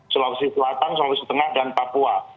selatan solosetengah dan papua